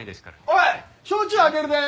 おい焼酎開けるで！